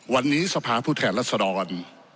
วันนี้สภาผู้แทนรัศดร